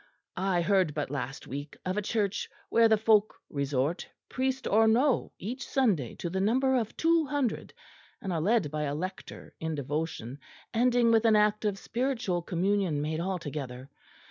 I heard but last week of a church where the folk resort, priest or no, each Sunday to the number of two hundred, and are led by a lector in devotion, ending with an act of spiritual communion made all together.